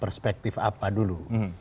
perspektif apa dulu